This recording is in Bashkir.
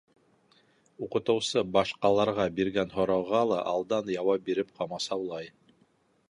Уҡытыусы башҡаларға биргән һорауға ла алдан яуап биреп ҡамасаулай.